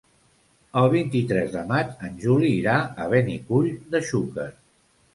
El vint-i-tres de maig en Juli irà a Benicull de Xúquer.